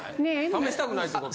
試したくないっていうか。